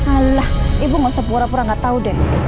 alah ibu gak usah pura pura gak tau deh